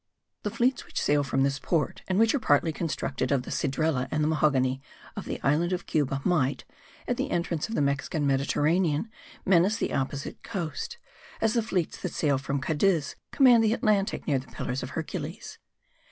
The fleets which sail from this port and which are partly constructed of the cedrela and the mahogany of the island of Cuba, might, at the entrance of the Mexican Mediterranean, menace the opposite coast, as the fleets that sail from Cadiz command the Atlantic near the Pillars of Hercules.